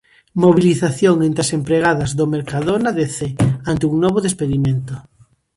Mobilización entre as empregadas do Mercadona de Cee ante un novo despedimento.